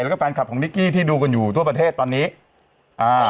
แล้วก็แฟนคลับของนิกกี้ที่ดูกันอยู่ทั่วประเทศตอนนี้อ่า